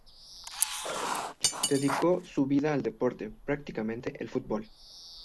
Dedicó su vida al deporte, particularmente el fútbol.